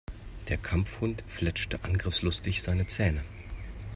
Der Kampfhund fletschte angriffslustig seine Zähne.